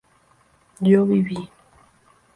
yo viví